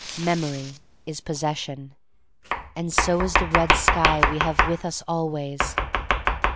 "Memory is pos session," and so the red sky we have with us always.